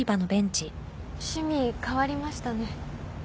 趣味変わりましたね。